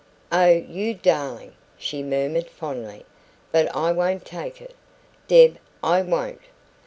"Oh, you darling!" she murmured fondly. "But I won't take it, Deb I WON'T.